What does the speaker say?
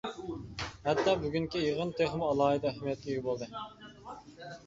ھەتتا بۈگۈنكى يىغىن تېخىمۇ ئالاھىدە ئەھمىيەتكە ئىگە بولدى.